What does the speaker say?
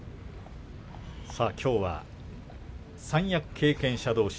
きょうは三役経験者どうし